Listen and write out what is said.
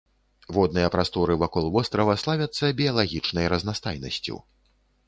Водныя прасторы вакол вострава славяцца біялагічнай разнастайнасцю.